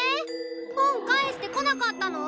本返してこなかったの？